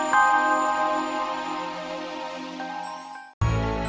neng kamu mau ikut